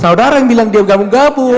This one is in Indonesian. saudara yang bilang dia gabung gabung